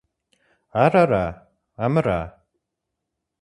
Ар ара, амыра?